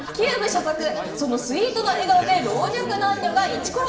所属そのスイートな笑顔で老若男女がイチコロ！